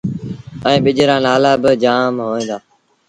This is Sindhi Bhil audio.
ائيٚݩ ٻج رآ نآلآ با جآم هوئين دآ